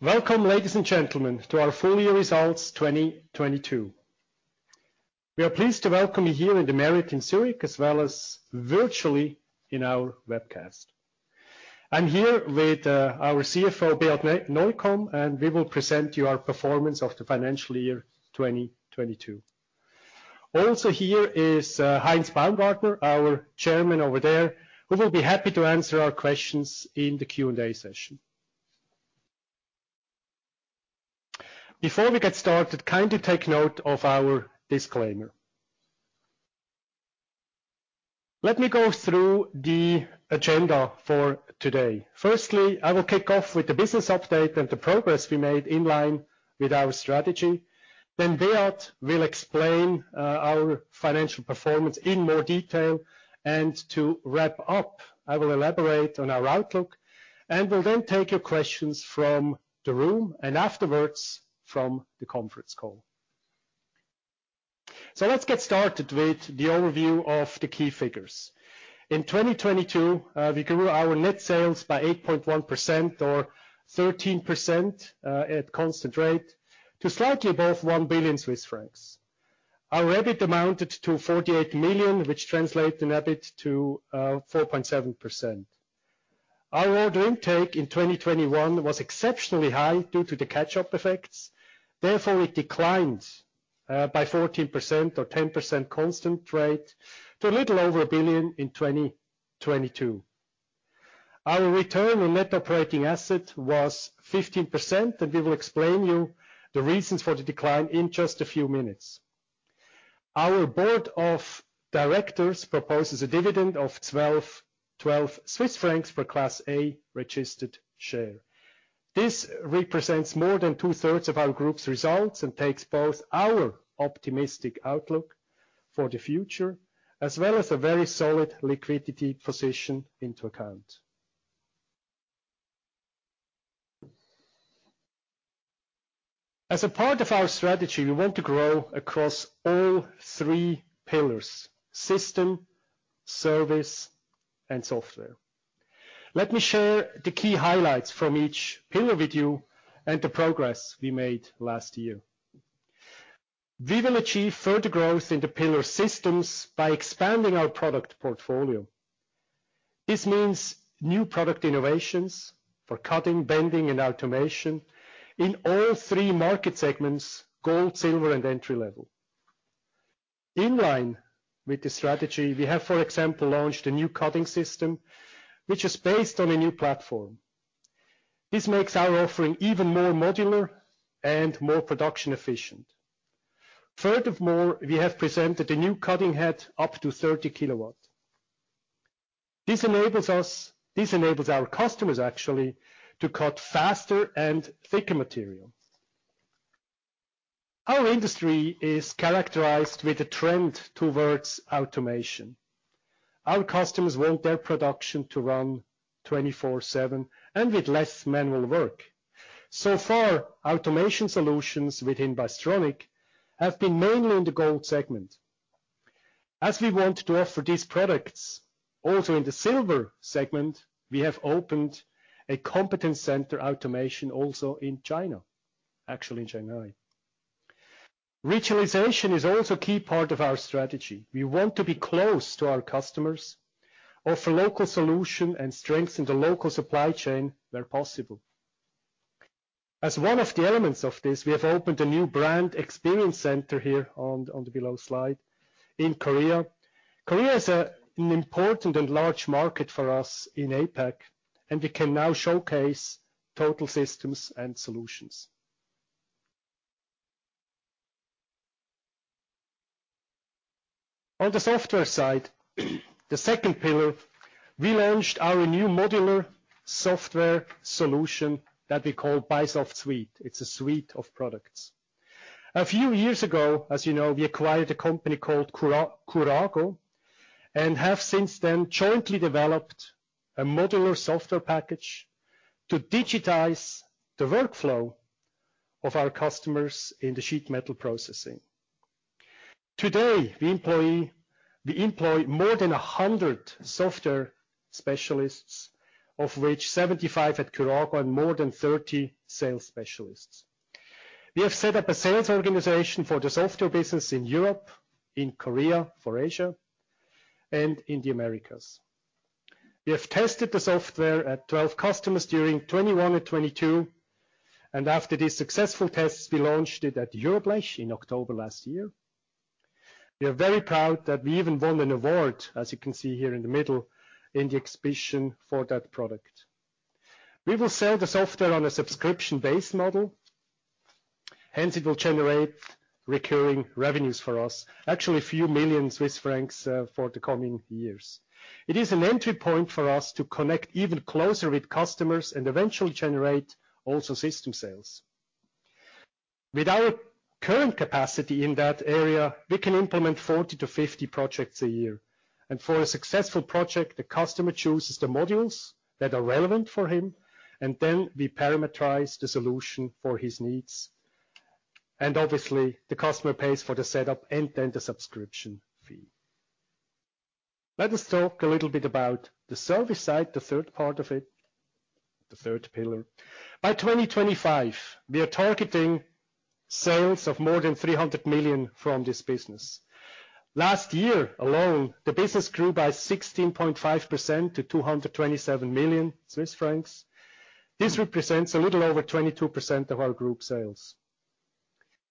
Welcome, ladies and gentlemen, to our full year results 2022. We are pleased to welcome you here in America and Zurich, as well as virtually in our webcast. I'm here with our CFO, Beat Neukom, we will present you our performance of the financial year 2022. Also here is Heinz Baumgartner, our Chairman over there, who will be happy to answer our questions in the Q&A session. Before we get started, kindly take note of our disclaimer. Let me go through the agenda for today. Firstly, I will kick off with the business update and the progress we made in line with our strategy. Beat will explain our financial performance in more detail. To wrap up, I will elaborate on our outlook, and will then take your questions from the room and afterwards, from the conference call. Let's get started with the overview of the key figures. In 2022, we grew our net sales by 8.1% or 13% at constant rate to slightly above 1 billion Swiss francs. Our EBIT amounted to 48 million, which translate in EBIT to 4.7%. Our order intake in 2021 was exceptionally high due to the catch-up effects. It declined by 14% or 10% constant rate to a little over 1 billion in 2022. Our return on net operating asset was 15%. We will explain you the reasons for the decline in just a few minutes. Our board of directors proposes a dividend of 12 Swiss francs per class A registered share. This represents more than two-thirds of our group's results and takes both our optimistic outlook for the future as well as a very solid liquidity position into account. As a part of our strategy, we want to grow across all three pillars: system, service, and software. Let me share the key highlights from each pillar with you and the progress we made last year. We will achieve further growth in the pillar systems by expanding our product portfolio. This means new product innovations for cutting, bending, and automation in all three market segments: gold, silver, and entry-level. In line with the strategy, we have, for example, launched a new cutting system which is based on a new platform. This makes our offering even more modular and more production efficient. Furthermore, we have presented a new cutting head up to 30 kW. This enables our customers actually to cut faster and thicker material. Our industry is characterized with a trend towards automation. Our customers want their production to run 24/7 and with less manual work. So far, automation solutions within Bystronic have been mainly in the gold segment. As we want to offer these products also in the silver segment, we have opened a competence center automation also in China, actually in Shanghai. Regionalization is also key part of our strategy. We want to be close to our customers, offer local solution, and strengthen the local supply chain where possible. As one of the elements of this, we have opened a new brand experience center here on the below slide in Korea. Korea is an important and large market for us in APAC, we can now showcase total systems and solutions. On the software side, the second pillar, we launched our new modular software solution that we call BySoft Suite. It's a suite of products. A few years ago, as you know, we acquired a company called Kurago, and have since then jointly developed a modular software package to digitize the workflow of our customers in the sheet metal processing. Today, we employ more than 100 software specialists, of which 75 at Kurago and more than 30 sales specialists. We have set up a sales organization for the software business in Europe, in Korea for Asia, and in the Americas. We have tested the software at 12 customers during 2021 and 2022, and after these successful tests, we launched it at EuroBLECH in October last year. We are very proud that we even won an award, as you can see here in the middle, in the exhibition for that product. We will sell the software on a subscription-based model, hence it will generate recurring revenues for us. Actually, a few million CHF for the coming years. It is an entry point for us to connect even closer with customers and eventually generate also system sales. With our current capacity in that area, we can implement 40 to 50 projects a year. For a successful project, the customer chooses the modules that are relevant for him, and then we parameterize the solution for his needs. Obviously, the customer pays for the setup and then the subscription fee. Let us talk a little bit about the service side, the third part of it, the third pillar. By 2025, we are targeting sales of more than 300 million from this business. Last year alone, the business grew by 16.5% to 227 million Swiss francs. This represents a little over 22% of our group sales.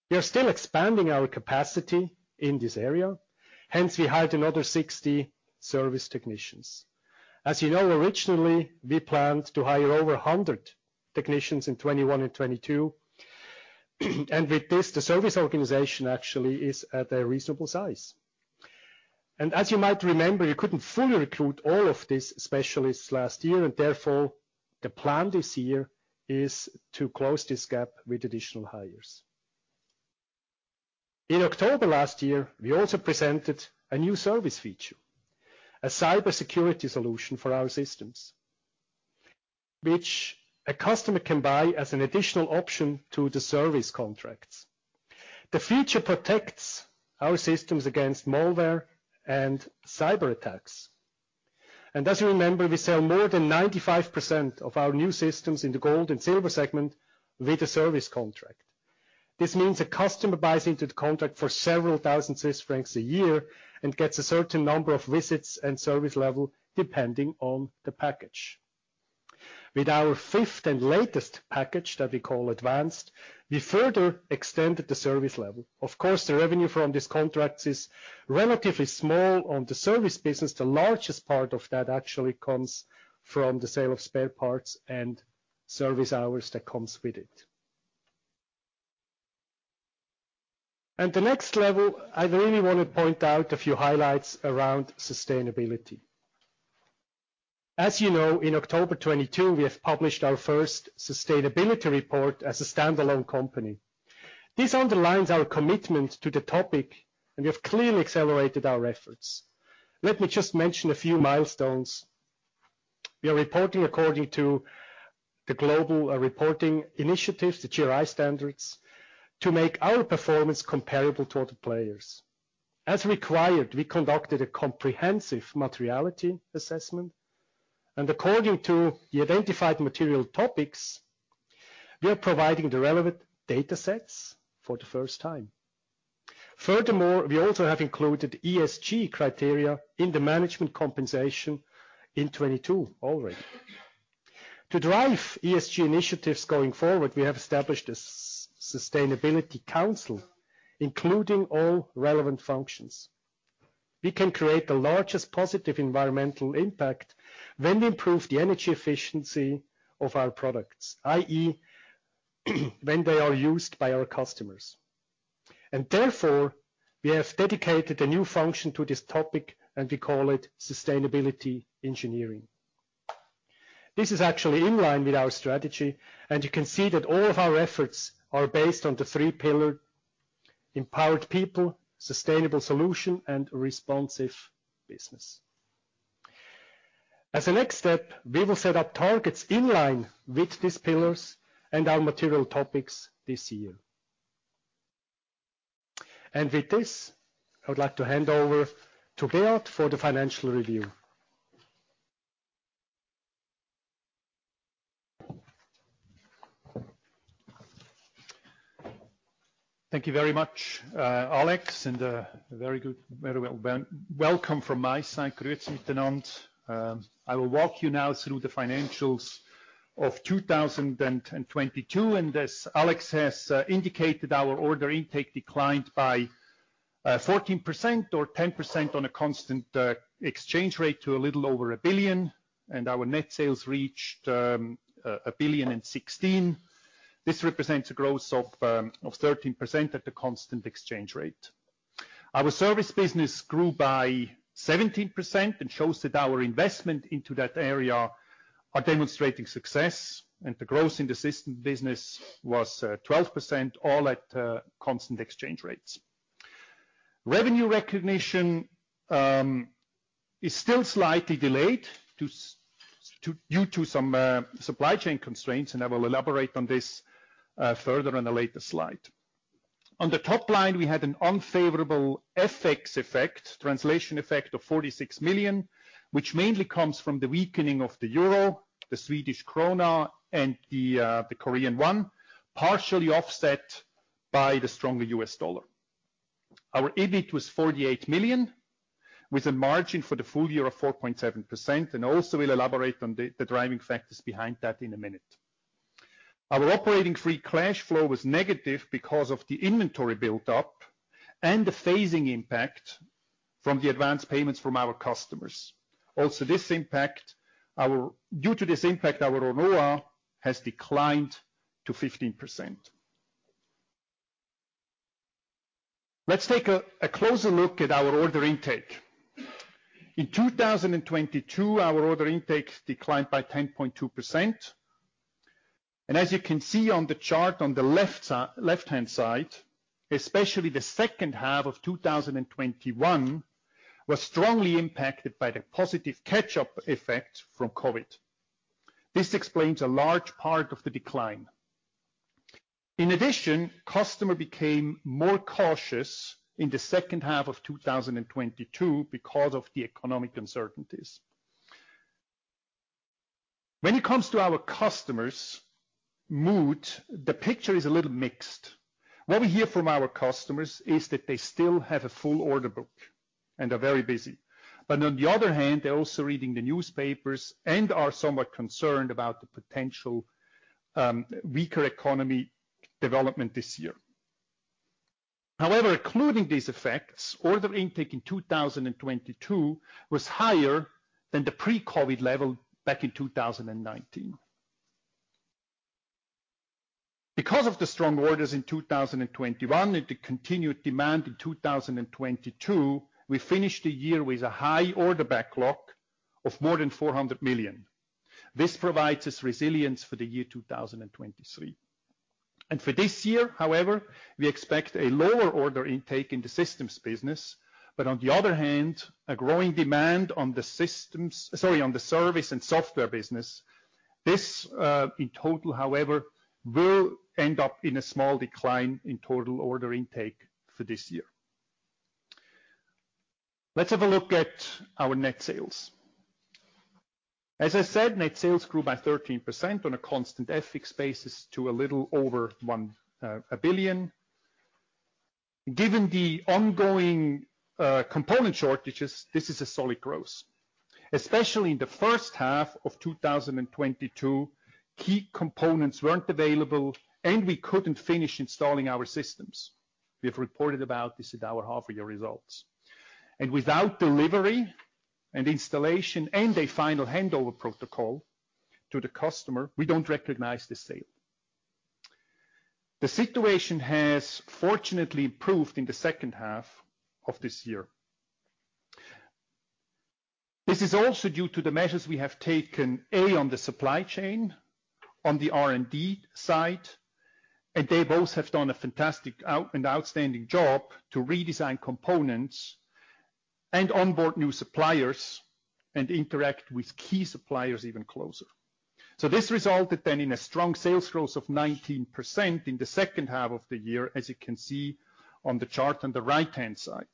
We are still expanding our capacity in this area, hence we hired another 60 service technicians. As you know, originally, we planned to hire over 100 technicians in 2021 and 2022, and with this, the service organization actually is at a reasonable size. As you might remember, you couldn't fully recruit all of these specialists last year, and therefore, the plan this year is to close this gap with additional hires. In October last year, we also presented a new service feature, a cybersecurity solution for our systems, which a customer can buy as an additional option to the service contracts. The feature protects our systems against malware and cyberattacks. As you remember, we sell more than 95% of our new systems in the gold and silver segment with a service contract. This means a customer buys into the contract for several thousand CHF a year and gets a certain number of visits and service level depending on the package. With our fifth and latest package, that we call Advanced, we further extended the service level. Of course, the revenue from this contract is relatively small on the service business. The largest part of that actually comes from the sale of spare parts and service hours that comes with it. At the next level, I really want to point out a few highlights around sustainability. As you know, in October 2022, we have published our first sustainability report as a standalone company. This underlines our commitment to the topic, and we have clearly accelerated our efforts. Let me just mention a few milestones. We are reporting according to the Global Reporting Initiative, the GRI standards, to make our performance comparable to other players. As required, we conducted a comprehensive materiality assessment, and according to the identified material topics, we are providing the relevant data sets for the first time. Furthermore, we also have included ESG criteria in the management compensation in 2022 already. To drive ESG initiatives going forward, we have established a sustainability council, including all relevant functions. We can create the largest positive environmental impact when we improve the energy efficiency of our products, i.e., when they are used by our customers. Therefore, we have dedicated a new function to this topic, and we call it Sustainable Engineering. This is actually in line with our strategy, you can see that all of our efforts are based on the three pillars: empowered people, sustainable solution, and responsive business. As a next step, we will set up targets in line with these pillars and our material topics this year. With this, I would like to hand over to Beat Neukom for the financial review. Thank you very much, Alex, a very welcome from my side. I will walk you now through the financials of 2022. As Alex has indicated, our order intake declined by 14% or 10% on a constant exchange rate to a little over 1 billion. Our net sales reached 1,000,000,016. This represents a growth of 13% at the constant exchange rate. Our service business grew by 17% and shows that our investment into that area are demonstrating success. The growth in the system business was 12%, all at constant exchange rates. Revenue recognition is still slightly delayed due to some supply chain constraints. I will elaborate on this further on a later slide. On the top line, we had an unfavorable FX effect, translation effect of 46 million, which mainly comes from the weakening of the euro, the Swedish krona, and the Korean won, partially offset by the stronger US dollar. Our EBIT was 48 million, with a margin for the full year of 4.7%. We'll elaborate on the driving factors behind that in a minute. Our operating free cash flow was negative because of the inventory buildup and the phasing impact from the advanced payments from our customers. Due to this impact, our ROA has declined to 15%. Let's take a closer look at our order intake. In 2022, our order intake declined by 10.2%. As you can see on the chart on the left-hand side, especially the second half of 2021 was strongly impacted by the positive catch-up effect from COVID. This explains a large part of the decline. In addition, customer became more cautious in the second half of 2022 because of the economic uncertainties. When it comes to our customers' mood, the picture is a little mixed. What we hear from our customers is that they still have a full order book and are very busy. On the other hand, they're also reading the newspapers and are somewhat concerned about the potential weaker economy development this year. However, including these effects, order intake in 2022 was higher than the pre-COVID level back in 2019. Because of the strong orders in 2021 and the continued demand in 2022, we finished the year with a high order backlog of more than 400 million. This provides us resilience for the year 2023. For this year, however, we expect a lower order intake in the systems business, but on the other hand, a growing demand on the service and software business. This, in total, however, will end up in a small decline in total order intake for this year. Let's have a look at our net sales. As I said, net sales grew by 13% on a constant FX basis to a little over 1 billion. Given the ongoing component shortages, this is a solid growth. Especially in the first half of 2022, key components weren't available, and we couldn't finish installing our systems. We have reported about this at our half-year results. Without delivery and installation and a final handover protocol to the customer, we don't recognize the sale. The situation has fortunately improved in the second half of this year. This is also due to the measures we have taken, A, on the supply chain, on the R&D side, and they both have done a fantastic and outstanding job to redesign components and onboard new suppliers and interact with key suppliers even closer. This resulted then in a strong sales growth of 19% in the second half of the year, as you can see on the chart on the right-hand side.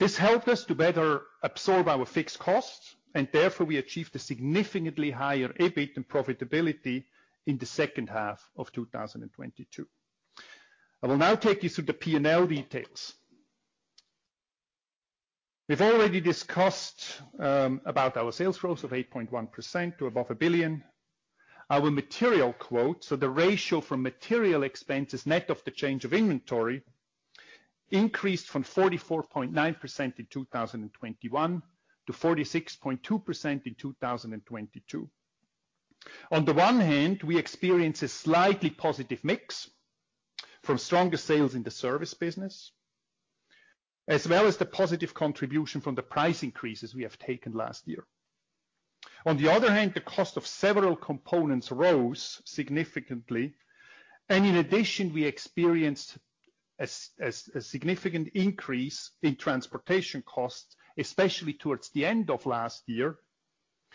This helped us to better absorb our fixed costs. Therefore, we achieved a significantly higher EBIT and profitability in the second half of 2022. I will now take you through the P&L details. We've already discussed about our sales growth of 8.1% to above 1 billion. Our material quotes, so the ratio from material expenses net of the change of inventory, increased from 44.9% in 2021 to 46.2% in 2022. On the one hand, we experienced a slightly positive mix from stronger sales in the service business, as well as the positive contribution from the price increases we have taken last year. On the other hand, the cost of several components rose significantly, in addition, we experienced a significant increase in transportation costs, especially towards the end of last year,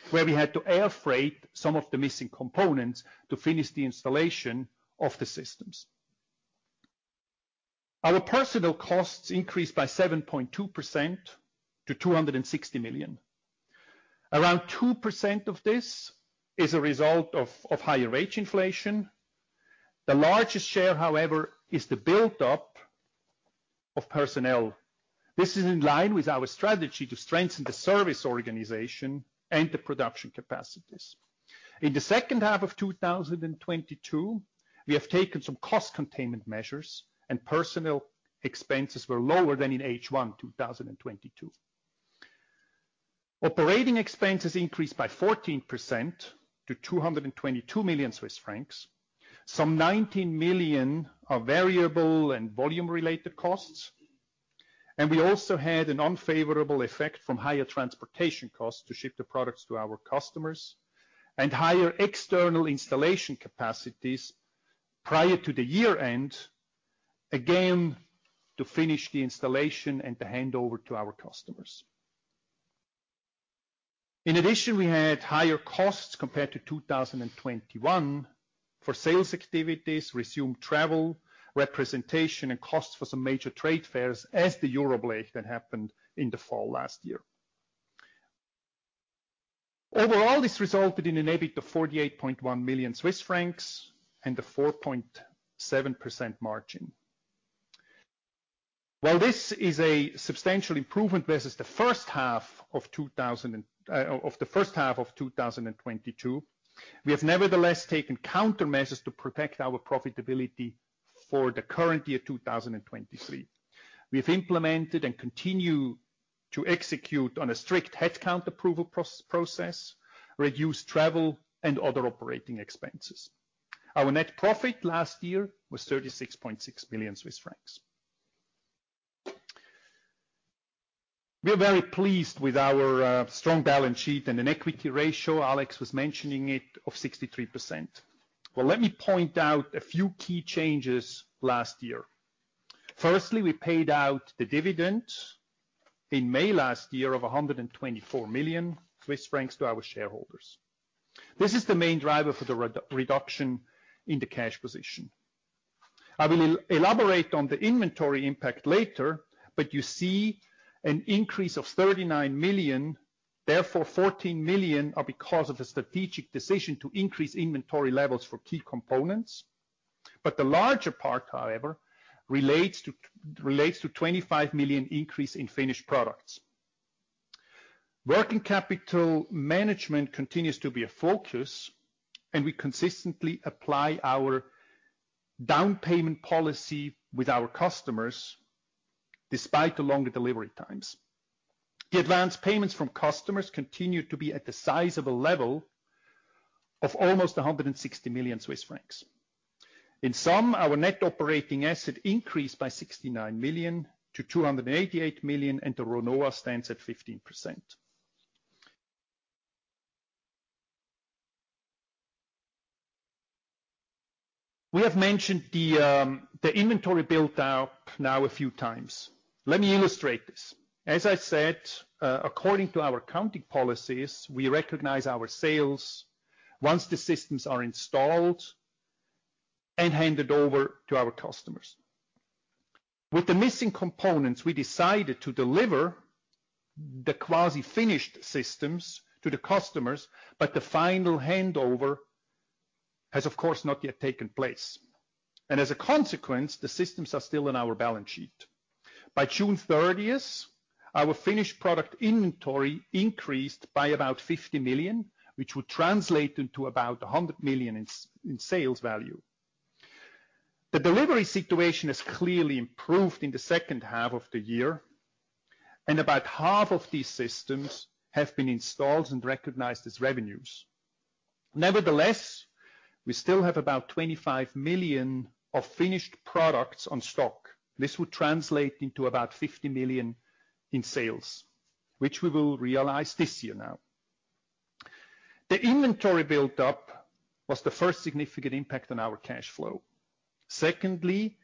where we had to air freight some of the missing components to finish the installation of the systems. Our personal costs increased by 7.2% to 260 million. Around 2% of this is a result of higher wage inflation. The largest share, however, is the build-up of personnel. This is in line with our strategy to strengthen the service organization and the production capacities. In the second half of 2022, we have taken some cost containment measures, personnel expenses were lower than in H1 2022. Operating expenses increased by 14% to 222 million Swiss francs. Some 19 million are variable and volume-related costs. We also had an unfavorable effect from higher transportation costs to ship the products to our customers and higher external installation capacities prior to the year-end, again, to finish the installation and to hand over to our customers. In addition, we had higher costs compared to 2021 for sales activities, resumed travel, representation, and costs for some major trade fairs as the EuroBLECH that happened in the fall last year. Overall, this resulted in an EBIT of 48.1 million Swiss francs and a 4.7% margin. While this is a substantial improvement versus the first half of 2022, we have nevertheless taken countermeasures to protect our profitability for the current year, 2023. We have implemented and continue to execute on a strict headcount approval process, reduce travel and other operating expenses. Our net profit last year was 36.6 million Swiss francs. We are very pleased with our strong balance sheet and an equity ratio, Alex Waser was mentioning it, of 63%. Well, let me point out a few key changes last year. Firstly, we paid out the dividend in May last year of 124 million Swiss francs to our shareholders. This is the main driver for the reduction in the cash position. I will elaborate on the inventory impact later, but you see an increase of 39 million. Therefore, 14 million are because of the strategic decision to increase inventory levels for key components. The larger part, however, relates to 25 million increase in finished products. Working capital management continues to be a focus, and we consistently apply our down payment policy with our customers, despite the longer delivery times. The advanced payments from customers continue to be at the size of a level of almost 160 million Swiss francs. In sum, our net operating asset increased by 69 million to 288 million, and the RONOAA stands at 15%. We have mentioned the inventory build-up now a few times. Let me illustrate this. As I said, according to our accounting policies, we recognize our sales once the systems are installed and handed over to our customers. With the missing components, we decided to deliver the quasi-finished systems to the customers, but the final handover has, of course, not yet taken place. As a consequence, the systems are still in our balance sheet. By June 30th, our finished product inventory increased by about 50 million, which would translate into about 100 million in sales value. The delivery situation has clearly improved in the second half of the year. About half of these systems have been installed and recognized as revenues. Nevertheless, we still have about 25 million of finished products on stock. This would translate into about 50 million in sales, which we will realize this year now. The inventory build-up was the first significant impact on our cash flow. Secondly,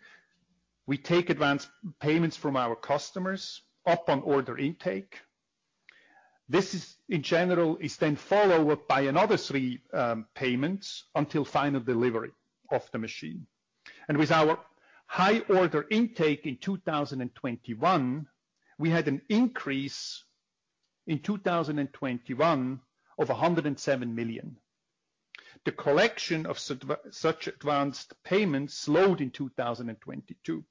we take advance payments from our customers up on order intake. This is, in general, is then followed by another three payments until final delivery of the machine. With our high order intake in 2021, we had an increase in 2021 of 107 million. The collection of such advanced payments slowed in 2022.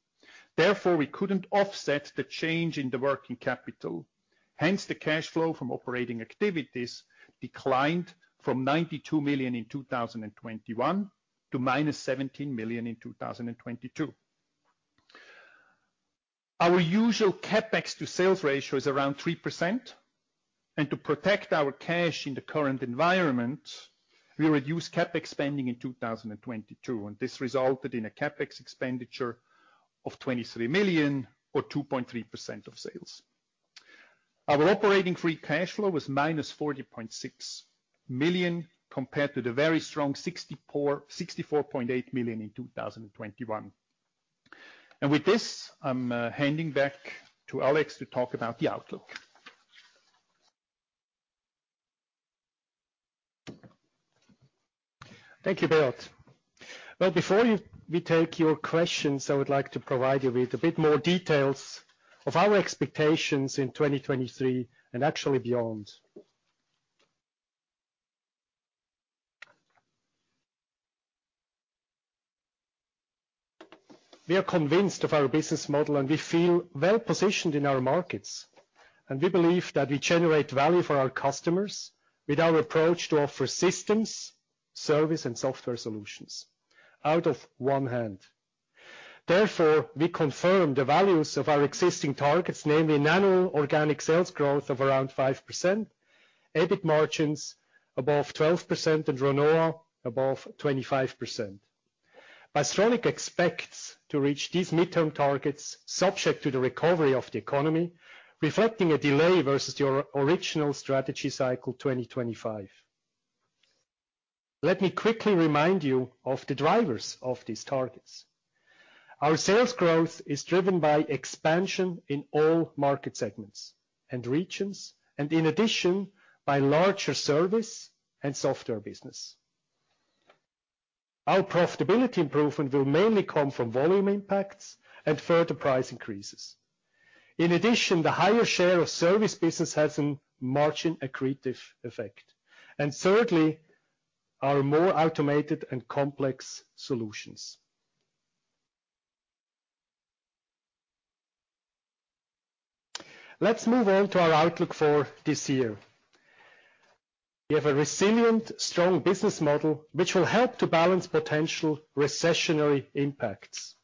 We couldn't offset the change in the working capital. The cash flow from operating activities declined from 92 million in 2021 to minus 17 million in 2022. Our usual CapEx to sales ratio is around 3%. To protect our cash in the current environment, we reduced CapEx spending in 2022. This resulted in a CapEx expenditure of 23 million or 2.3% of sales. Our operating free cash flow was minus 40.6 million, compared to the very strong 64.8 million in 2021. With this, I'm handing back to Alex to talk about the outlook. Thank you, Beat. Well, before we take your questions, I would like to provide you with a bit more details of our expectations in 2023 and actually beyond. We are convinced of our business model, and we feel well-positioned in our markets, and we believe that we generate value for our customers with our approach to offer systems, service, and software solutions out of one hand. Therefore, we confirm the values of our existing targets, namely annual organic sales growth of around 5%, EBIT margins above 12%, and RONOAA above 25%. Bystronic expects to reach these midterm targets subject to the recovery of the economy, reflecting a delay versus your original strategy cycle, 2025. Let me quickly remind you of the drivers of these targets. Our sales growth is driven by expansion in all market segments and regions, in addition, by larger service and software business. Our profitability improvement will mainly come from volume impacts and further price increases. In addition, the higher share of service business has a margin accretive effect. Thirdly, our more automated and complex solutions. Let's move on to our outlook for this year. We have a resilient, strong business model, which will help to balance potential recessionary impacts.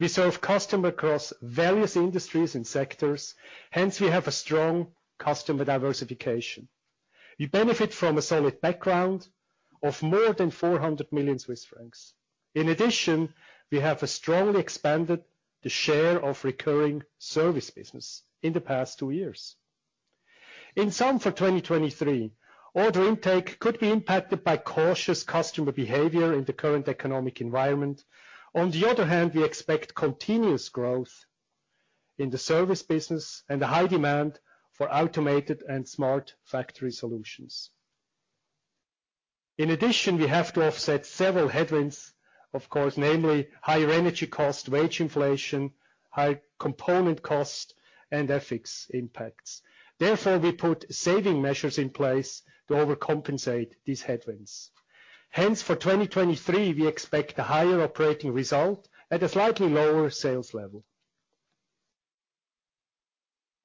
We serve customer across various industries and sectors, hence we have a strong customer diversification. We benefit from a solid background of more than 400 million Swiss francs. In addition, we have a strongly expanded the share of recurring service business in the past two years. In sum for 2023, order intake could be impacted by cautious customer behavior in the current economic environment. On the other hand, we expect continuous growth in the service business and a high demand for automated and Smart Factory solutions. In addition, we have to offset several headwinds, of course, namely higher energy cost, wage inflation, high component cost, and FX impacts. We put saving measures in place to overcompensate these headwinds. For 2023, we expect a higher operating result at a slightly lower sales level.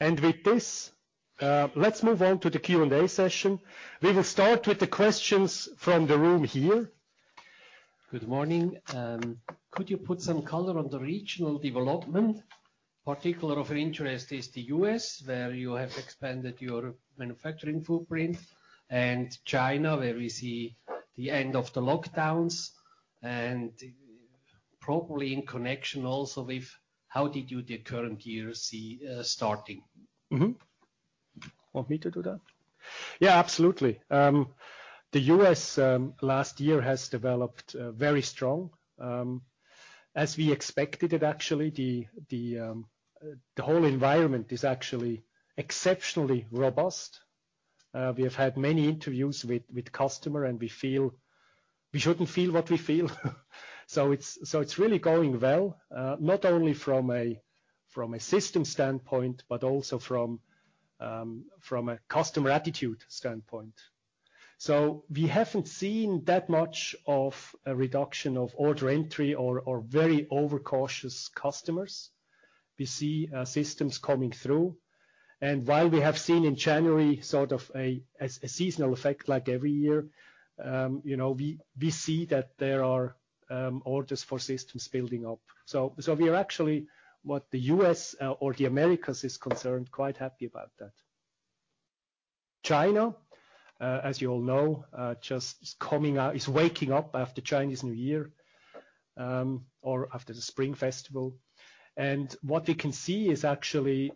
With this, let's move on to the Q&A session. We will start with the questions from the room here. Good morning. Could you put some color on the regional development? Particular of interest is the U.S., where you have expanded your manufacturing footprint, and China, where we see the end of the lockdowns, and probably in connection also with how did you the current year see starting? Mm-hmm. Want me to do that? Yeah, absolutely. The U.S. last year has developed very strong as we expected it actually. The whole environment is actually exceptionally robust. We have had many interviews with customer, and we feel we shouldn't feel what we feel. It's really going well, not only from a system standpoint, but also from a customer attitude standpoint. We haven't seen that much of a reduction of order entry or very overcautious customers. We see systems coming through. While we have seen in January sort of a seasonal effect like every year, you know, we see that there are orders for systems building up. We are actually, what the U.S., or the Americas is concerned, quite happy about that. China, as you all know, just is coming out, is waking up after Chinese New Year, or after the Spring Festival. What we can see is actually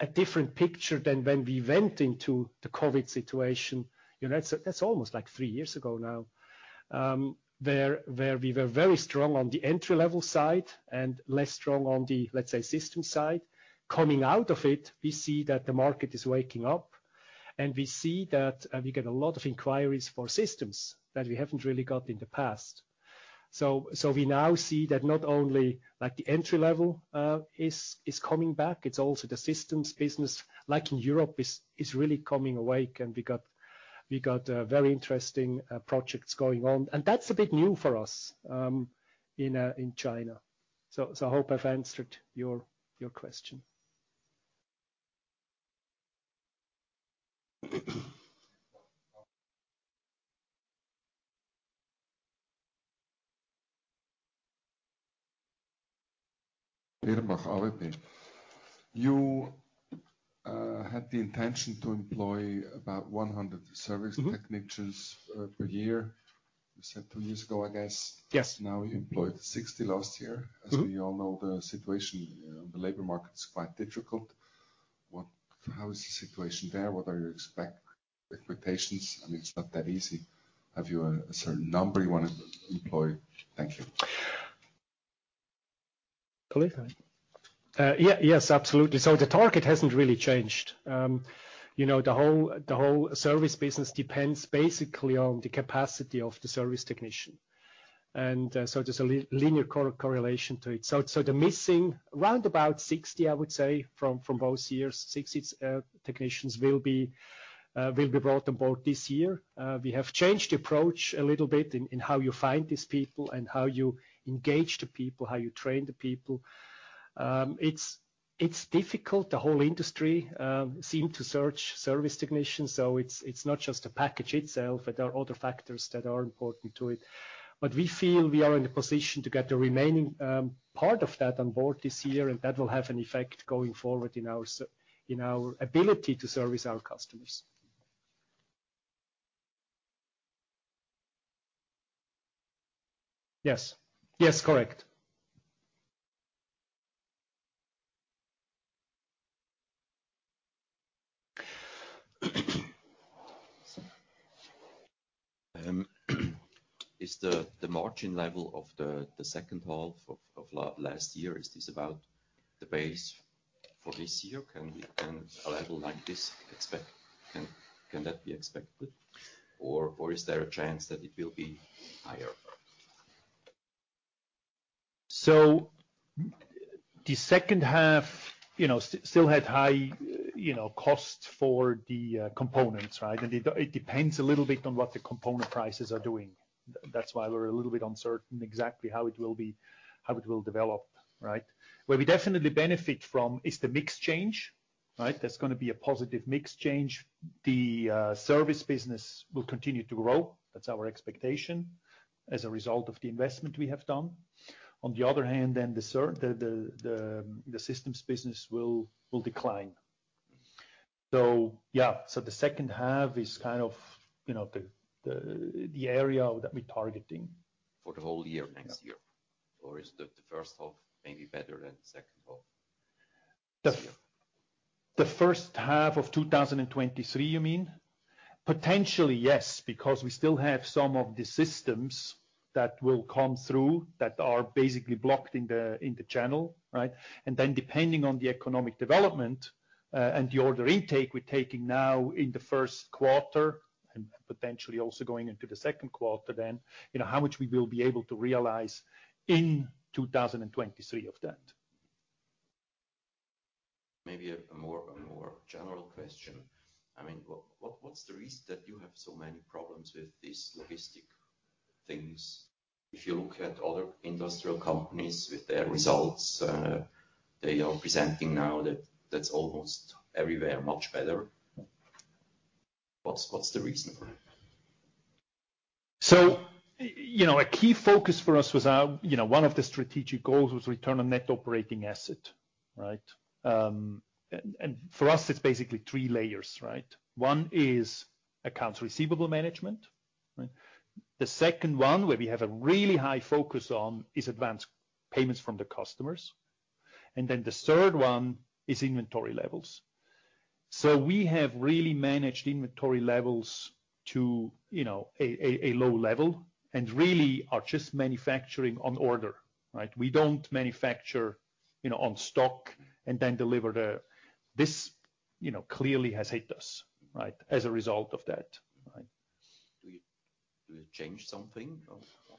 a different picture than when we went into the COVID situation. You know, that's almost like 3 years ago now. Where we were very strong on the entry-level side and less strong on the, let's say, system side. Coming out of it, we see that the market is waking up, and we see that we get a lot of inquiries for systems that we haven't really got in the past. We now see that not only the entry-level is coming back, it's also the systems business in Europe is really coming awake, and we got very interesting projects going on. That's a bit new for us in China. I hope I've answered your question. You had the intention to employ about 100 service- Mm-hmm ...technicians, per year, you said two years ago, I guess. Yes. Now you employed 60 last year. Mm-hmm. As we all know, the situation, the labor market is quite difficult. How is the situation there? What are your expectations? I mean, it's not that easy. Have you a certain number you wanna employ? Thank you. Yeah. Yes, absolutely. The target hasn't really changed. you know, the whole service business depends basically on the capacity of the service technician. There's a linear correlation to it. The missing around about 60, I would say, from both years, 60 technicians will be brought on board this year. We have changed approach a little bit in how you find these people and how you engage the people, how you train the people. It's difficult. The whole industry seem to search service technicians, so it's not just the package itself, but there are other factors that are important to it. We feel we are in the position to get the remaining part of that on board this year, and that will have an effect going forward in our ability to service our customers. Yes. Yes, correct. Is the margin level of the second half of last year, is this about the base for this year? Can a level like this be expected or is there a chance that it will be higher? The second half, you know, still had high, you know, cost for the components, right? It depends a little bit on what the component prices are doing. That's why we're a little bit uncertain exactly how it will be, how it will develop, right? Where we definitely benefit from is the mix change, right? There's gonna be a positive mix change. The service business will continue to grow. That's our expectation as a result of the investment we have done. The systems business will decline. Yeah. The second half is kind of, you know, the area that we're targeting. For the whole year next year? Is the first half maybe better than second half? The first half of 2023, you mean? Potentially, yes, because we still have some of the systems that will come through that are basically blocked in the channel, right? Depending on the economic development and the order intake we're taking now in the first quarter, and potentially also going into the second quarter, you know, how much we will be able to realize in 2023 of that. Maybe a more general question. I mean, what's the reason that you have so many problems with these logistic things? If you look at other industrial companies with their results, they are presenting now that's almost everywhere, much better. What's the reason for it? you know, a key focus for us was our, you know, one of the strategic goals was return on net operating asset, right. For us, it's basically three layers, right. One is accounts receivable management, right. The second one, where we have a really high focus on, is advanced payments from the customers. Then the third one is inventory levels. We have really managed inventory levels to, you know, a, a low level and really are just manufacturing on order, right. We don't manufacture, you know, on stock and then deliver. This, you know, clearly has hit us, right, as a result of that, right. Do you change something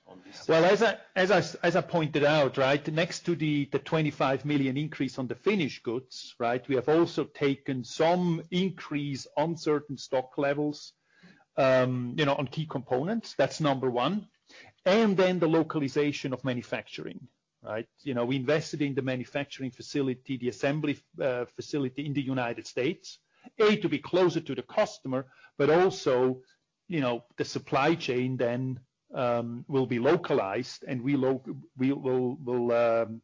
on this-? Well, as I, as I pointed out, right, next to the 25 million increase on the finished goods, right? We have also taken some increase on certain stock levels, you know, on key components. That's number one. The localization of manufacturing, right? You know, we invested in the manufacturing facility, the assembly facility in the United States. To be closer to the customer, but also, you know, the supply chain then will be localized and we will, you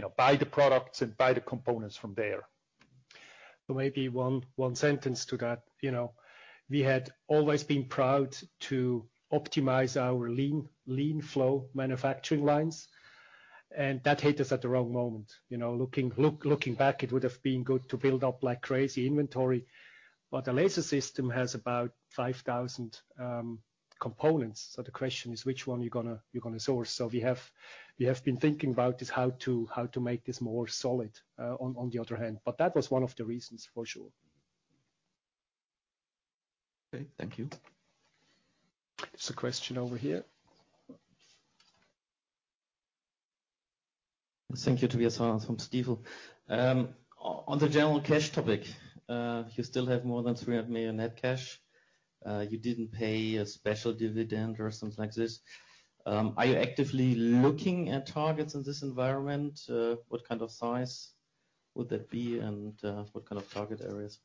know, buy the products and buy the components from there. Maybe one sentence to that. You know, we had always been proud to optimize our lean flow manufacturing lines, and that hit us at the wrong moment. You know, looking back, it would have been good to build up like crazy inventory. A laser system has about 5,000 components, so the question is which one you gonna source. We have been thinking about is how to make this more solid on the other hand. That was one of the reasons for sure. Okay. Thank you. There's a question over here. Thank you. Tobias Sittig from Stifel. On the general cash topic, you still have more than 300 million net cash. You didn't pay a special dividend or something like this. Are you actively looking at targets in this environment? What kind of size would that be, and, what kind of target areas?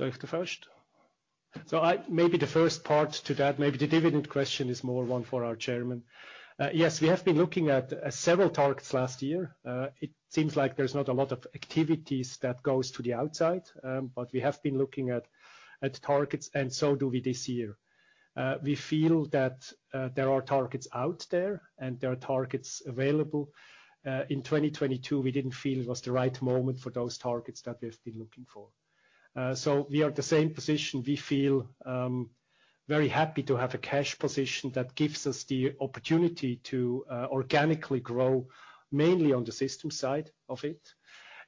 Alex Waser first. Maybe the first part to that, maybe the dividend question is more one for our chairman. Yes, we have been looking at several targets last year. It seems like there's not a lot of activities that goes to the outside, but we have been looking at targets, and so do we this year. We feel that there are targets out there and there are targets available. In 2022, we didn't feel it was the right moment for those targets that we've been looking for. We are at the same position. We feel very happy to have a cash position that gives us the opportunity to organically grow mainly on the system side of it.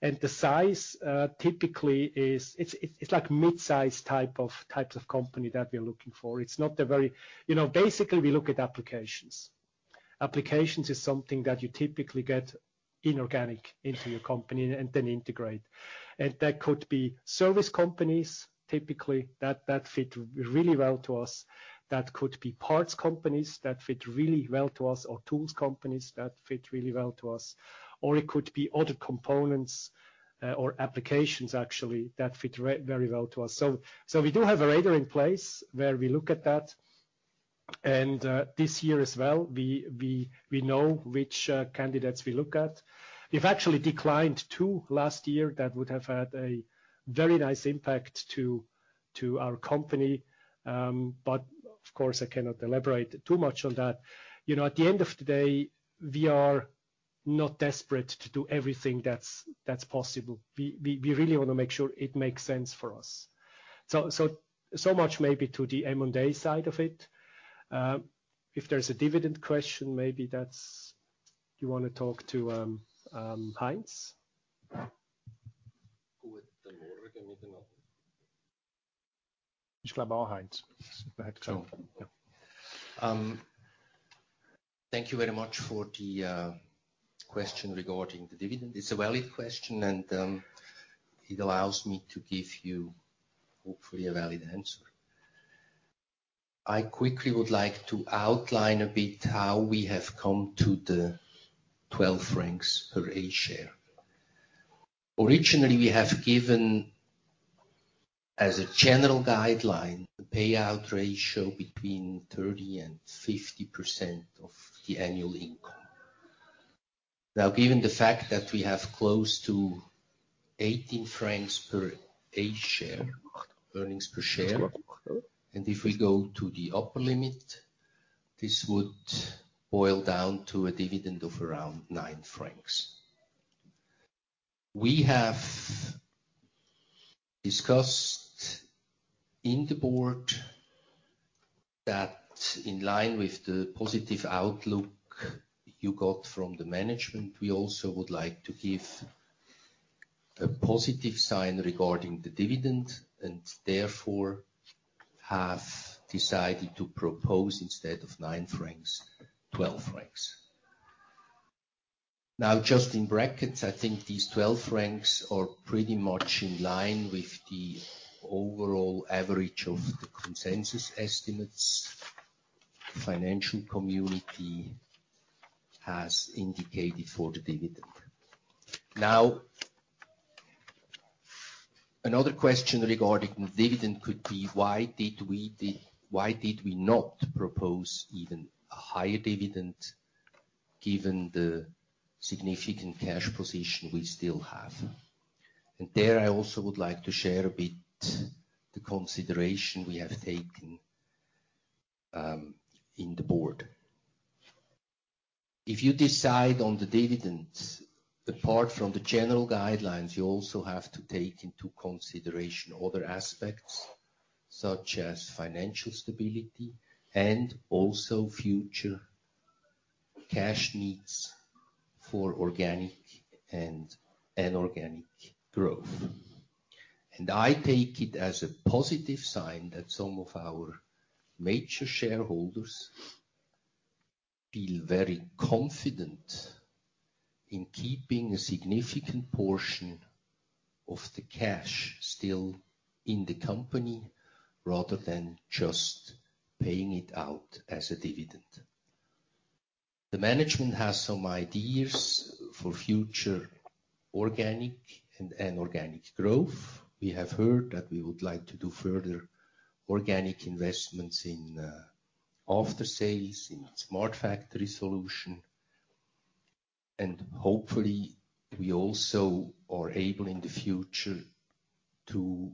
The size, typically is it's like mid-size types of company that we are looking for. It's not a very. You know, basically we look at applications. Applications is something that you typically get inorganic into your company and then integrate. That could be service companies typically that fit really well to us. That could be parts companies that fit really well to us or tools companies that fit really well to us. It could be other components or applications actually that fit very well to us. We do have a radar in place where we look at that. This year as well, we know which candidates we look at. We've actually declined 2 last year that would have had a very nice impact to our company. Of course, I cannot elaborate too much on that. You know, at the end of the day, we are not desperate to do everything that's possible. We really wanna make sure it makes sense for us. Much maybe to the M&A side of it. If there's a dividend question, maybe that's you wanna talk to Heinz? Good morning. Heinz. Thank you very much for the question regarding the dividend. It's a valid question, and it allows me to give you hopefully a valid answer. I quickly would like to outline a bit how we have come to the 12 francs per A share. Originally, we have given as a general guideline the payout ratio between 30% and 50% of the annual income. Now, given the fact that we have close to 18 francs per A share, earnings per share, and if we go to the upper limit, this would boil down to a dividend of around 9 francs. We have discussed in the board that in line with the positive outlook you got from the management, we also would like to give a positive sign regarding the dividend, and therefore have decided to propose instead of 9 francs, 12 francs. Just in brackets, I think these 12 francs are pretty much in line with the overall average of the consensus estimates financial community has indicated for the dividend. Another question regarding dividend could be, why did we not propose even a higher dividend given the significant cash position we still have? There I also would like to share a bit the consideration we have taken in the board. If you decide on the dividends, apart from the general guidelines, you also have to take into consideration other aspects such as financial stability and also future cash needs for organic and inorganic growth. I take it as a positive sign that some of our major shareholders feel very confident in keeping a significant portion of the cash still in the company rather than just paying it out as a dividend. The management has some ideas for future organic and inorganic growth. We have heard that we would like to do further organic investments in after sales, in Smart Factory solution. Hopefully, we also are able in the future to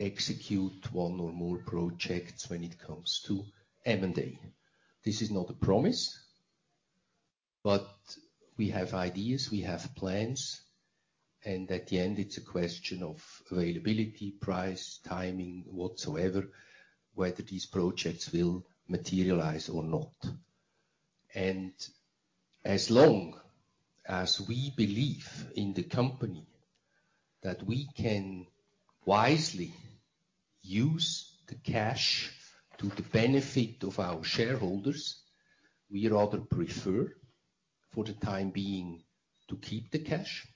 execute one or more projects when it comes to M&A. This is not a promise, but we have ideas, we have plans, and at the end it's a question of availability, price, timing, whatsoever, whether these projects will materialize or not. As long as we believe in the company that we can wisely use the cash to the benefit of our shareholders, we rather prefer for the time being to keep the cash.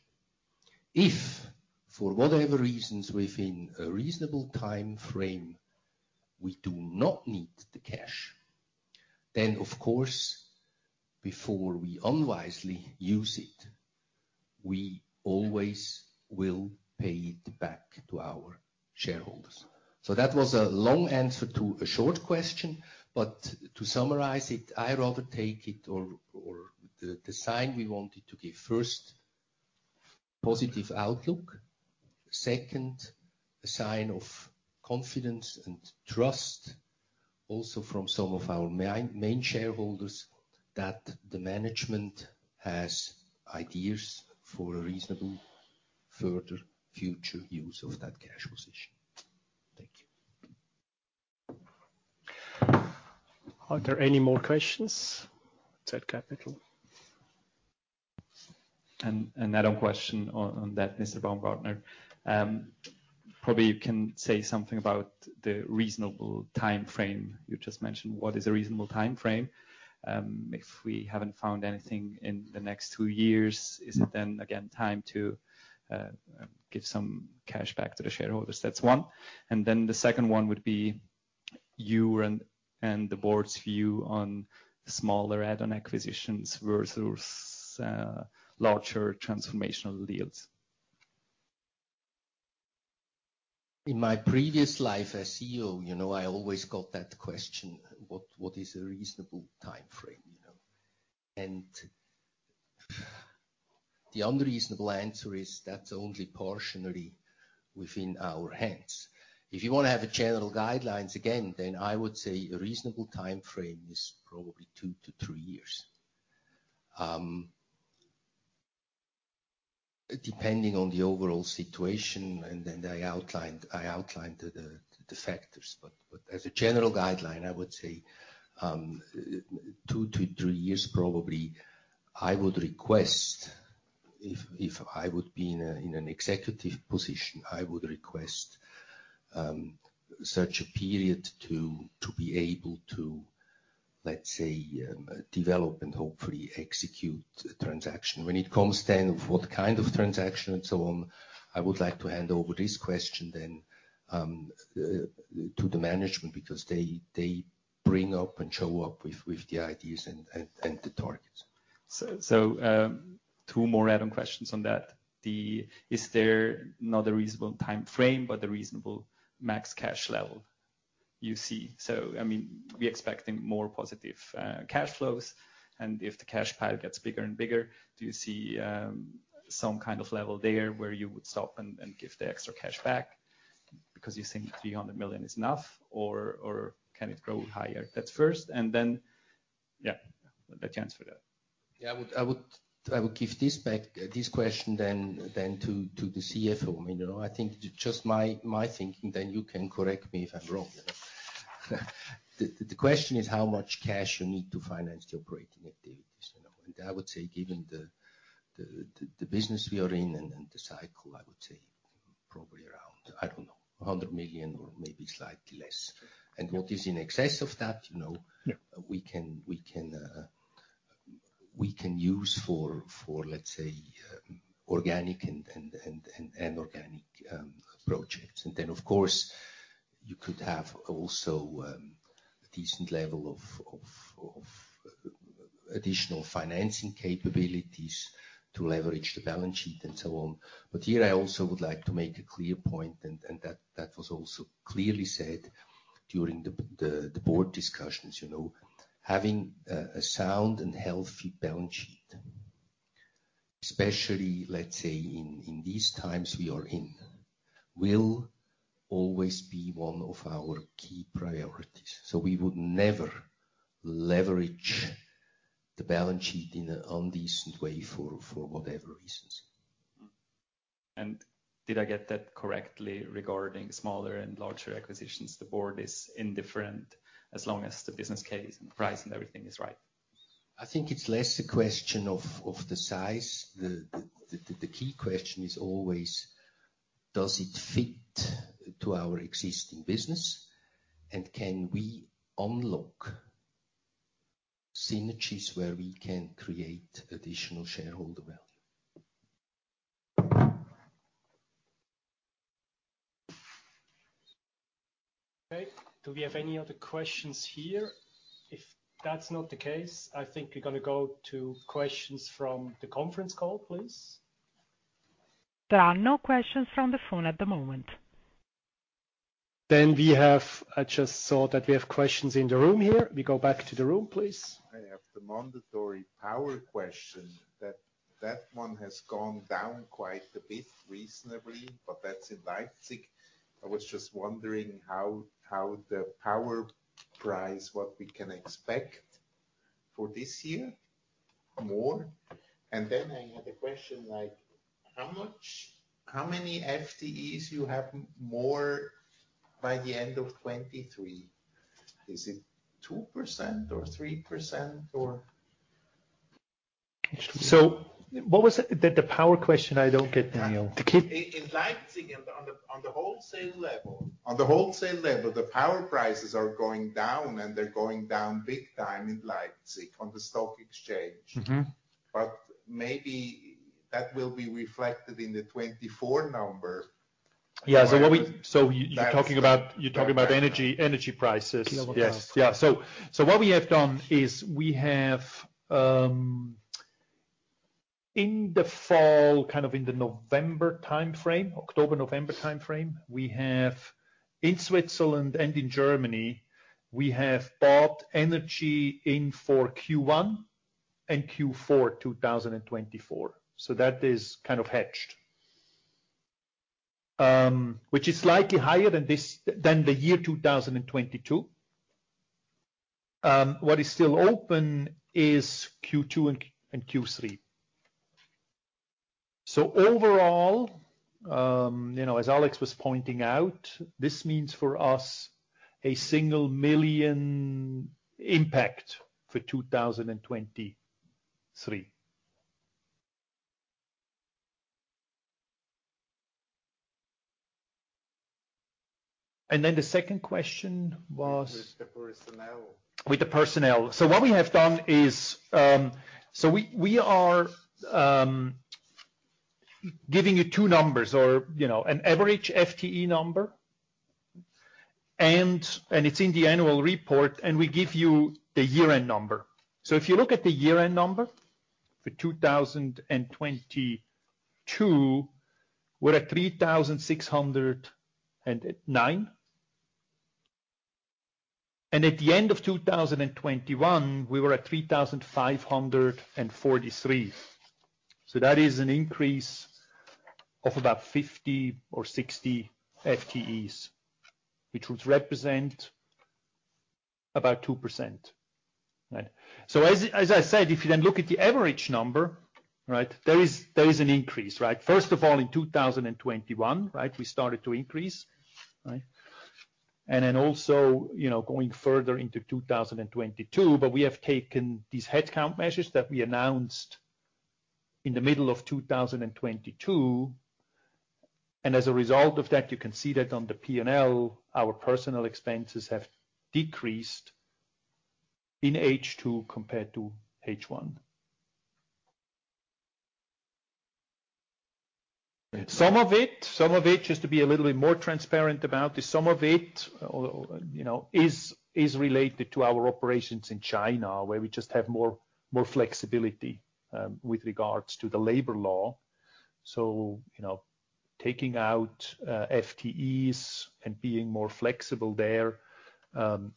If for whatever reasons within a reasonable time frame we do not need the cash, then of course before we unwisely use it, we always will pay it back to our shareholders. That was a long answer to a short question. To summarize it, I rather take it or the sign we wanted to give, first, positive outlook. Second, a sign of confidence and trust also from some of our main shareholders that the management has ideas for a reasonable further future use of that cash position. Thank you. Are there any more questions? Zett Capital. Add-on question on that, Mr. Baumgartner. Probably you can say something about the reasonable timeframe you just mentioned. What is a reasonable timeframe? If we haven't found anything in the next two years, is it then again time to give some cash back to the shareholders? That's one. The second one would be you and the board's view on the smaller add-on acquisitions versus larger transformational deals. In my previous life as CEO, you know, I always got that question, what is a reasonable timeframe, you know? The unreasonable answer is that's only portionally within our hands. If you want to have a general guidelines again, then I would say a reasonable timeframe is probably two to three years, depending on the overall situation, and then I outlined the factors. As a general guideline, I would say two to three years probably I would request if I would be in an executive position, I would request such a period to be able to, let's say, develop and hopefully execute a transaction. It comes then of what kind of transaction and so on, I would like to hand over this question then, to the management because they bring up and show up with the ideas and the targets. Two more add-on questions on that. Is there not a reasonable timeframe but a reasonable max cash level? You see. I mean, we expecting more positive cash flows, if the cash pile gets bigger and bigger, do you see some kind of level there where you would stop and give the extra cash back because you think 300 million is enough, or can it grow higher? That's first, yeah, the chance for that. Yeah. I would give this back, this question then to the CFO. I mean, you know, I think just my thinking, then you can correct me if I'm wrong. You know. The question is how much cash you need to finance the operating activities, you know, I would say given the business we are in and the cycle, I would say probably around, I don't know, 100 million or maybe slightly less. What is in excess of that, you know. Yeah... we can use for, let's say, organic and organic projects. Of course, you could have also a decent level of additional financing capabilities to leverage the balance sheet and so on. Here I also would like to make a clear point, and that was also clearly said during the board discussions, you know, having a sound and healthy balance sheet, especially, let's say, in these times we are in, will always be one of our key priorities. We would never leverage the balance sheet in an indecent way for whatever reasons. Mm-hmm. Did I get that correctly regarding smaller and larger acquisitions, the board is indifferent as long as the business case and price and everything is right? I think it's less a question of the size. The key question is always does it fit to our existing business. Can we unlock synergies where we can create additional shareholder value? Okay. Do we have any other questions here? If that's not the case, I think we're gonna go to questions from the conference call, please. There are no questions from the phone at the moment. I just saw that we have questions in the room here. We go back to the room, please. I have the mandatory power question that one has gone down quite a bit, reasonably, but that's in Leipzig. I was just wondering how the power price, what we can expect for this year more. I had a question like how many FTEs you have more by the end of 2023. Is it 2% or 3% or... What was it? The power question I don't get, Daniel. In Leipzig and on the wholesale level, the power prices are going down, and they're going down big time in Leipzig on the stock exchange. Mm-hmm. Maybe that will be reflected in the 2024 number. Yeah. That's- You're talking about energy prices. Kilowatt hours. Yes. Yeah. What we have done is we have, in the fall, kind of in the November timeframe, October-November timeframe, we have, in Switzerland and in Germany, we have bought energy in for Q1 and Q4 2024. That is kind of hedged. Which is slightly higher than the year 2022. What is still open is Q2 and Q3. Overall, you know, as Alex was pointing out, this means for us a 1 million impact for 2023. The second question was- With the personnel. With the personnel. What we have done is, we are giving you two numbers or, you know, an average FTE number and it's in the annual report, and we give you the year-end number. If you look at the year-end number for 2022, we're at 3,609. At the end of 2021, we were at 3,543. That is an increase of about 50 or 60 FTEs, which would represent about 2%. Right. As I said, if you then look at the average number, right, there is an increase, right? First of all, in 2021, right, we started to increase. Right. Then also, you know, going further into 2022. We have taken these headcount measures that we announced in the middle of 2022, and as a result of that, you can see that on the P&L, our personal expenses have decreased in H2 compared to H1. Some of it, just to be a little bit more transparent about this, some of it, you know, is related to our operations in China, where we just have more flexibility with regards to the labor law. You know, taking out, FTEs and being more flexible there,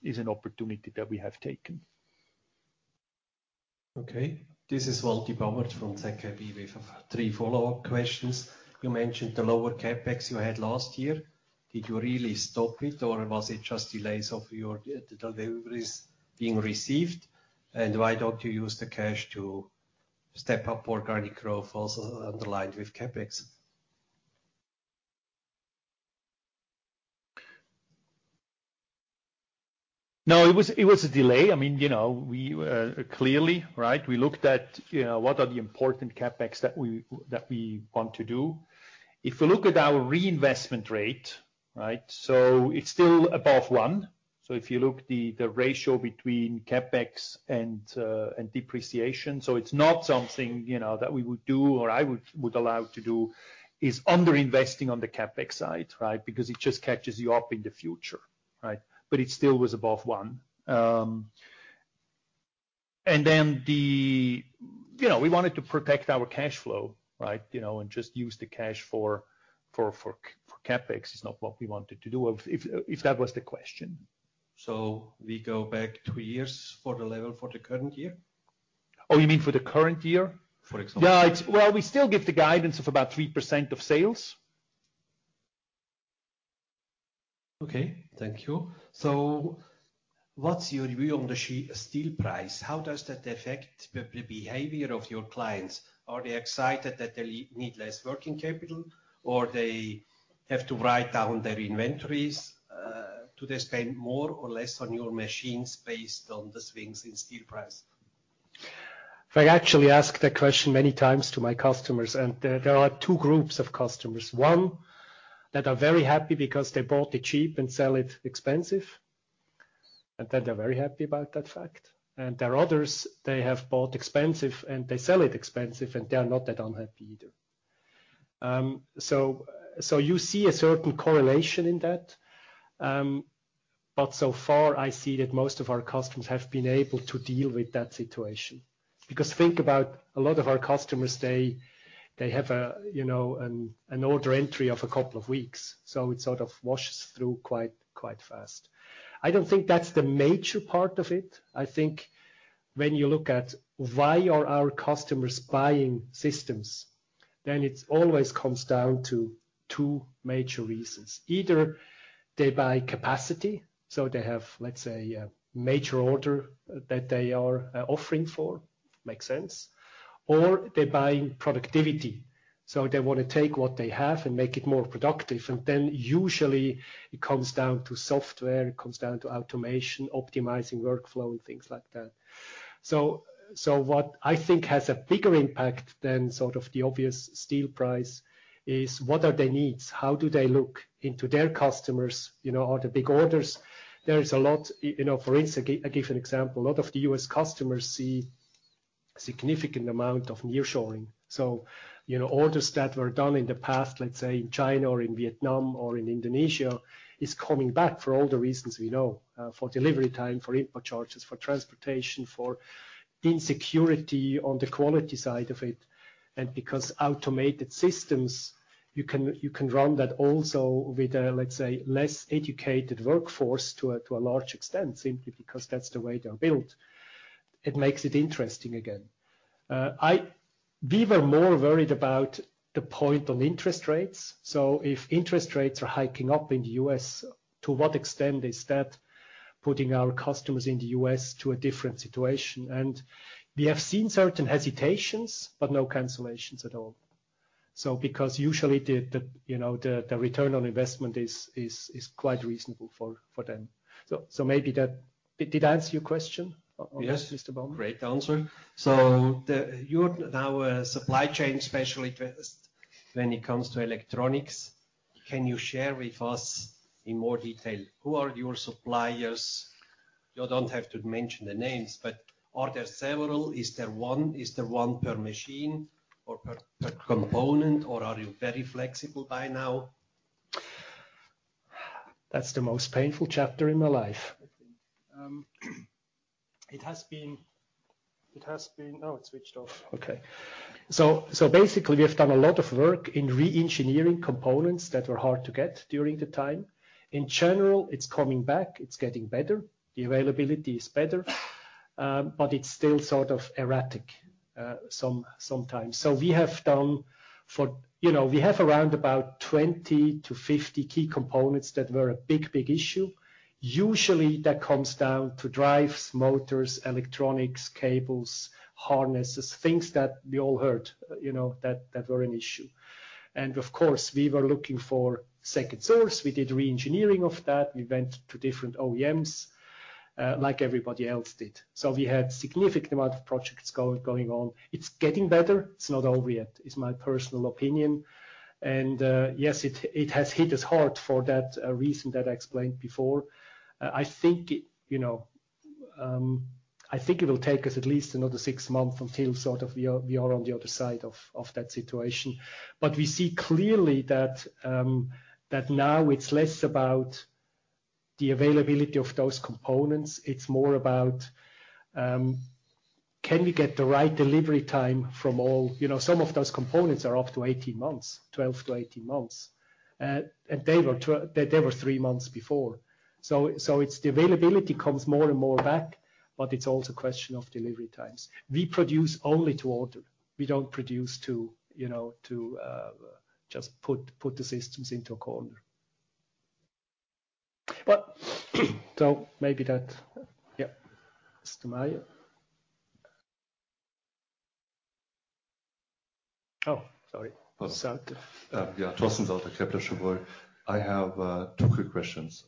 is an opportunity that we have taken. Okay. This is Walter Bamert from ZKB. We have three follow-up questions. You mentioned the lower CapEx you had last year. Did you really stop it, or was it just delays of your deliveries being received? Why don't you use the cash to step up organic growth also underlined with CapEx? It was a delay. I mean, you know, we clearly, right, we looked at, you know, what are the important CapEx that we want to do. If you look at our reinvestment rate, right? It's still above one. If you look the ratio between CapEx and depreciation. It's not something, you know, that we would do or I would allow to do, is under-investing on the CapEx side, right? Because it just catches you up in the future, right? It still was above one. You know, we wanted to protect our cash flow, right? You know, just use the cash for CapEx is not what we wanted to do, if that was the question. We go back two years for the level for the current year? Oh, you mean for the current year? For example. Yeah, Well, we still give the guidance of about 3% of sales. Thank you. What's your view on the steel price? How does that affect the behavior of your clients? Are they excited that they need less working capital, or they have to write down their inventories? Do they spend more or less on your machines based on the swings in steel price? I actually ask that question many times to my customers, and there are two groups of customers. One, that are very happy because they bought it cheap and sell it expensive, and then they're very happy about that fact. There are others, they have bought expensive and they sell it expensive, and they are not that unhappy either. You see a certain correlation in that. So far, I see that most of our customers have been able to deal with that situation. Think about a lot of our customers, they have a, you know, an order entry of a couple of weeks, so it sort of washes through quite fast. I don't think that's the major part of it. I think when you look at why are our customers buying systems, then it's always comes down to two major reasons. Either they buy capacity, so they have, let's say, a major order that they are offering for. Makes sense. Or they're buying productivity, so they want to take what they have and make it more productive. Usually it comes down to software, it comes down to automation, optimizing workflow, and things like that. What I think has a bigger impact than sort of the obvious steel price is: What are their needs? How do they look into their customers? You know, are there big orders? There is a lot, you know. I give an example. A lot of the U.S. customers see significant amount of nearshoring. You know, orders that were done in the past, let's say, in China or in Vietnam or in Indonesia, is coming back for all the reasons we know. For delivery time, for import charges, for transportation, for insecurity on the quality side of it. Because automated systems, you can run that also with a, let's say, less educated workforce to a large extent, simply because that's the way they're built. It makes it interesting again. We were more worried about the point on interest rates. If interest rates are hiking up in the U.S., to what extent is that putting our customers in the U.S. to a different situation? We have seen certain hesitations, but no cancellations at all. Because usually the, you know, the return on investment is quite reasonable for them. Did I answer your question, Mr. Baumgartner? Yes. Great answer. Our supply chain, especially when it comes to electronics, can you share with us in more detail who are your suppliers? You don't have to mention the names, but are there several? Is there one? Is there one per machine or per component? Or are you very flexible by now? That's the most painful chapter in my life, I think. It has been... Oh, it switched off. Okay. Basically, we have done a lot of work in re-engineering components that were hard to get during the time. In general, it's coming back. It's getting better. The availability is better, but it's still sort of erratic, sometimes. We have done for... You know, we have around about 20 to 50 key components that were a big, big issue. Usually, that comes down to drives, motors, electronics, cables, harnesses, things that we all heard, you know, that were an issue. Of course, we were looking for second source. We did re-engineering of that. We went to different OEMs, like everybody else did. We had significant amount of projects going on. It's getting better. It's not over yet, is my personal opinion. Yes, it has hit us hard for that reason that I explained before. I think, you know, I think it will take us at least another six months until sort of we are on the other side of that situation. We see clearly that now it's less about the availability of those components, it's more about, can we get the right delivery time from all... You know, some of those components are up to 18 months. 12-18 months. They were three months before. It's the availability comes more and more back, but it's also a question of delivery times. We produce only to order. We don't produce to, you know, to just put the systems into a corner. maybe that... Yeah. Mr. Sauter. Oh, sorry. Sauter. Torsten Sauter, Kepler Cheuvreux. I have two quick questions.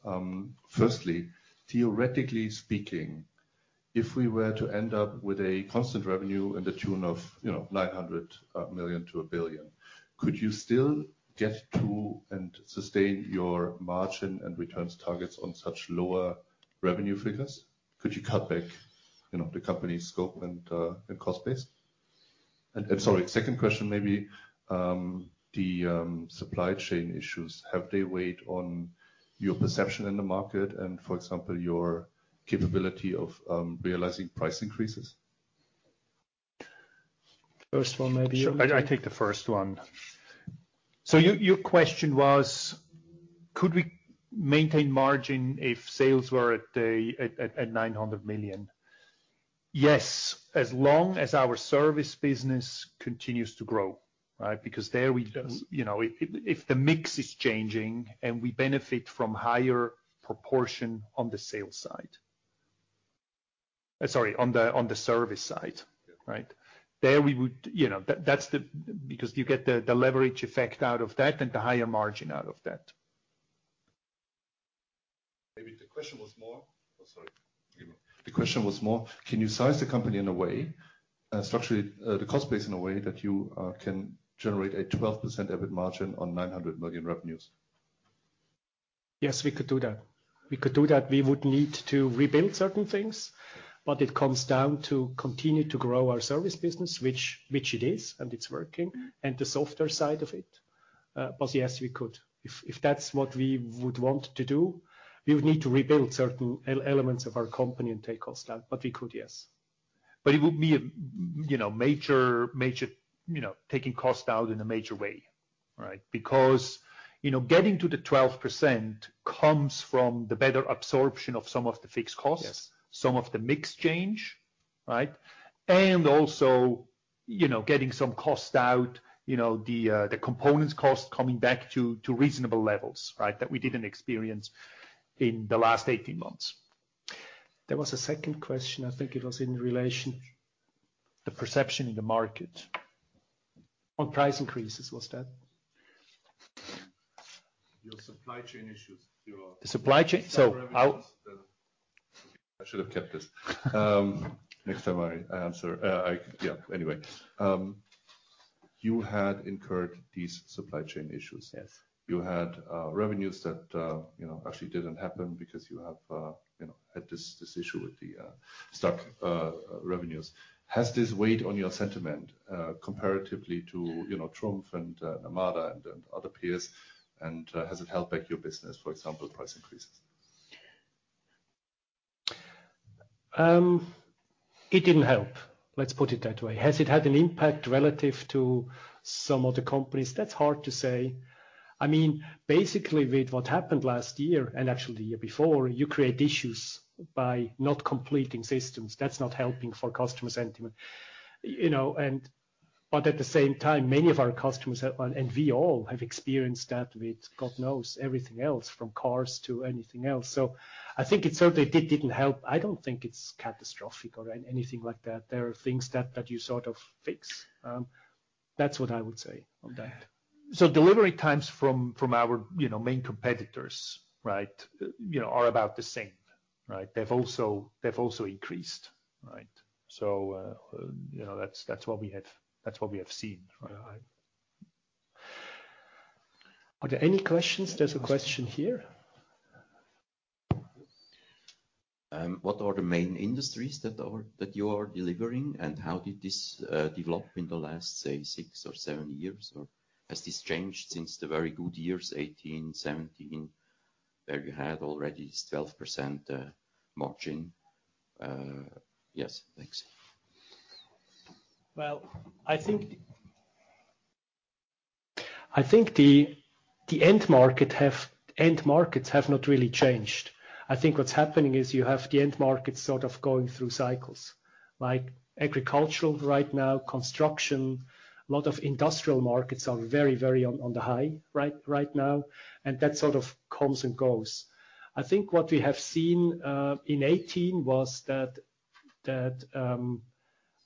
Firstly, theoretically speaking, if we were to end up with a constant revenue in the tune of, you know, 900 million to 1 billion, could you still get to and sustain your margin and returns targets on such lower revenue figures? Could you cut back, you know, the company's scope and cost base? Sorry, second question may be, the supply chain issues, have they weighed on your perception in the market and, for example, your capability of realizing price increases? First one maybe. Sure. I'll take the first one. Your question was could we maintain margin if sales were at a 900 million? Yes, as long as our service business continues to grow, right? Because there. Yes... you know, if the mix is changing and we benefit from higher proportion on the sales side. Sorry, on the service side. Yeah. Right? There we would, you know, that's the. You get the leverage effect out of that and the higher margin out of that. Oh, sorry. You go. The question was more can you size the company in a way, structurally, the cost base in a way that you can generate a 12% EBIT margin on 900 million revenues? Yes, we could do that. We could do that. We would need to rebuild certain things. It comes down to continue to grow our service business, which it is, and it's working. Mm-hmm. The software side of it. Yes, we could. If that's what we would want to do, we would need to rebuild certain elements of our company and take cost out, but we could, yes. It would be a, you know, major, you know, taking cost out in a major way, right? Because, you know, getting to the 12% comes from the better absorption of some of the fixed costs... Yes... some of the mix change, right? Also, you know, getting some cost out, you know, the components cost coming back to reasonable levels, right? That we didn't experience in the last 18 months. There was a second question, I think it was in relation the perception in the market on price increases. Was that...? Your supply chain issues. Supply chain. I should have kept this. Next time I answer. Yeah. Anyway. You had incurred these supply chain issues. Yes. You had revenues that, you know, actually didn't happen because you have, you know, had this issue with the stuck revenues. Has this weighed on your sentiment, comparatively to, you know, TRUMPF and Amada and other peers, and has it held back your business, for example, price increases? It didn't help. Let's put it that way. Has it had an impact relative to some other companies? That's hard to say. I mean, basically, with what happened last year, and actually the year before, you create issues by not completing systems. That's not helping for customer sentiment. You know, at the same time, many of our customers have, and we all have experienced that with, God knows, everything else, from cars to anything else. I think it certainly did, didn't help. I don't think it's catastrophic or anything like that. There are things that you sort of fix. That's what I would say on that. Delivery times from our, you know, main competitors, right, you know, are about the same, right? They've also increased, right? You know, that's what we have seen, right. Are there any questions? There's a question here. What are the main industries that you are delivering, and how did this develop in the last, say, six or seven years, or has this changed since the very good years, 2018, 2017, where you had already 12% margin? Yes. Thanks. Well, I think the end markets have not really changed. I think what's happening is you have the end markets sort of going through cycles, like agricultural right now, construction. A lot of industrial markets are very on the high right now, that sort of comes and goes. I think what we have seen in 2018 was that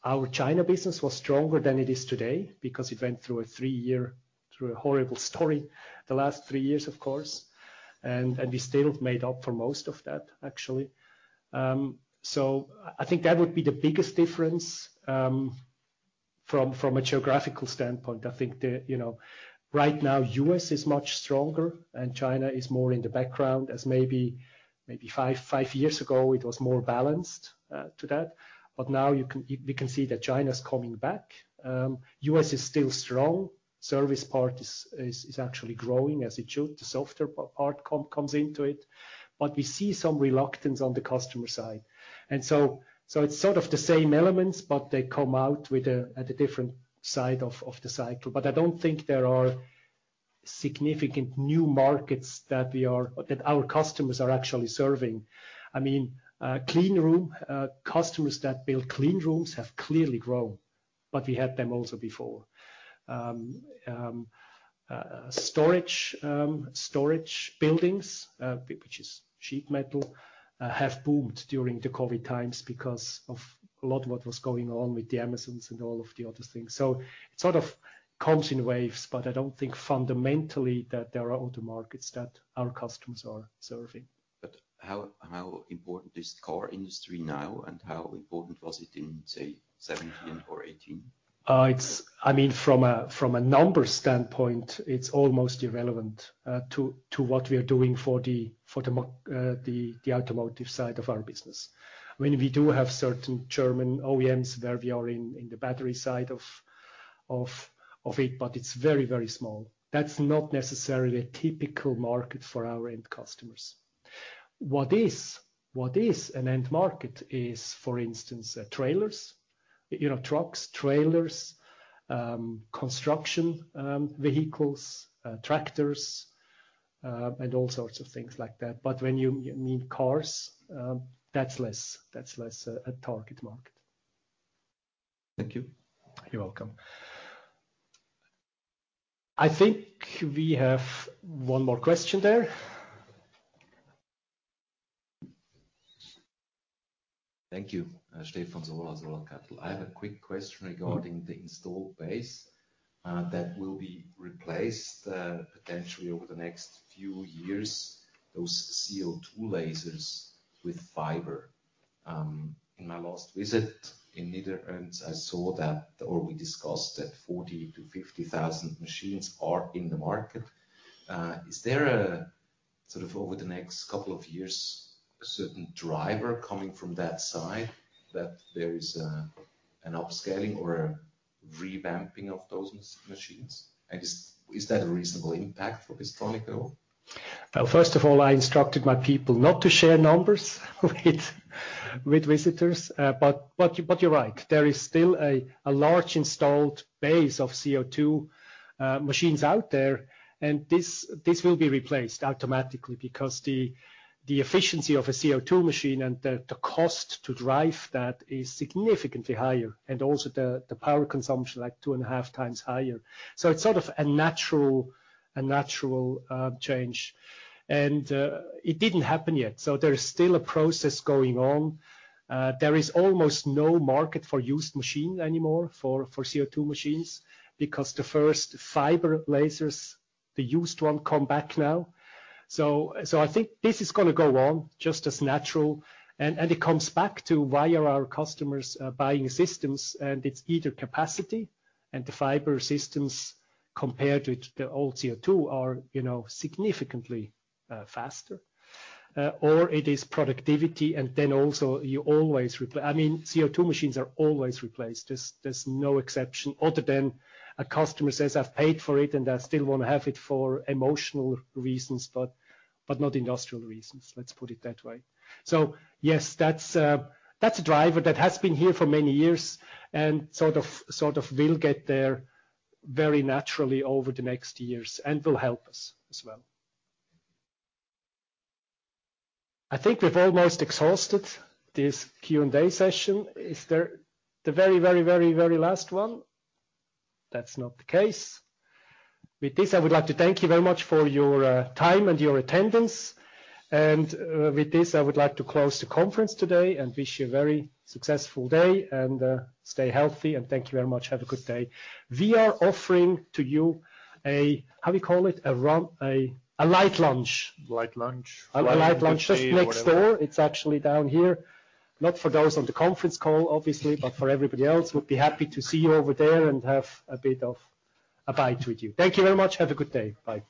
our China business was stronger than it is today because it went through a horrible story the last 3 years, of course. We still have made up for most of that, actually. I think that would be the biggest difference. From a geographical standpoint, I think you know, right now, U.S. is much stronger and China is more in the background as maybe 5 years ago, it was more balanced to that. Now we can see that China's coming back. U.S. is still strong. Service part is actually growing as it should. The software part comes into it, but we see some reluctance on the customer side. It's sort of the same elements, but they come out with a, at a different side of the cycle. I don't think there are significant new markets that our customers are actually serving. I mean, clean room customers that build clean rooms have clearly grown, but we had them also before. Storage, storage buildings, which is sheet metal, have boomed during the COVID times because of a lot of what was going on with the Amazons and all of the other things. It sort of comes in waves, but I don't think fundamentally that there are other markets that our customers are serving. How important is car industry now, and how important was it in, say, 2017 or 2018? It's, I mean, from a numbers standpoint, it's almost irrelevant to what we are doing for the automotive side of our business. I mean, we do have certain German OEMs where we are in the battery side of it, but it's very, very small. That's not necessarily a typical market for our end customers. What is an end market is, for instance, trailers. You know, trucks, trailers, construction vehicles, tractors, and all sorts of things like that. When you mean cars, that's less a target market. Thank you. You're welcome. I think we have one more question there. Thank you. Stefan Soller Kattel. I have a quick question regarding the installed base, that will be replaced, potentially over the next few years, those CO2 lasers with fiber. In my last visit in Netherlands, I saw that, or we discussed that 40,000-50,000 machines are in the market. Is there a sort of over the next couple of years, a certain driver coming from that side that there is an upscaling or a revamping of those machines? Is that a reasonable impact for this product at all? First of all, I instructed my people not to share numbers with visitors. You're right. There is still a large installed base of CO2 machines out there, and this will be replaced automatically because the efficiency of a CO2 machine and the cost to drive that is significantly higher, and also the power consumption, like 2.5 times higher. It's sort of a natural change. It didn't happen yet, so there is still a process going on. There is almost no market for used machine anymore for CO2 machines because the first fiber lasers, the used one, come back now. I think this is gonna go on just as natural and it comes back to why are our customers buying systems, and it's either capacity, and the fiber systems compared with the old CO2 are, you know, significantly faster. It is productivity and then also you always I mean, CO2 machines are always replaced. There's no exception other than a customer says, "I've paid for it, and I still wanna have it for emotional reasons," but not industrial reasons. Let's put it that way. Yes, that's a driver that has been here for many years and sort of will get there very naturally over the next years and will help us as well. I think we've almost exhausted this Q&A session. Is there the very, very, very, very last one? That's not the case. With this, I would like to thank you very much for your time and your attendance. With this, I would like to close the conference today and wish you a very successful day and stay healthy, and thank you very much. Have a good day. We are offering to you a, how we call it? A light lunch. Light lunch. A light lunch just next door. It's actually down here. Not for those on the conference call, obviously, but for everybody else, we'd be happy to see you over there and have a bit of a bite with you. Thank you very much. Have a good day. Bye.